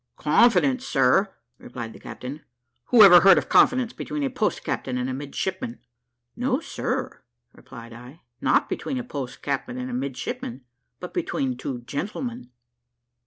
"Confidence, sir!" replied the captain; "who ever heard of confidence between a post captain and a midshipman?" "No, sir," replied I, "not between a post captain and a midshipman but between two gentlemen."